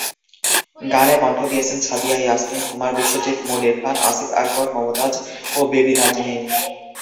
গানে কণ্ঠ দিয়েছেন সাবিনা ইয়াসমিন, কুমার বিশ্বজিৎ, মনির খান, আসিফ আকবর, মমতাজ, ও বেবি নাজনীন।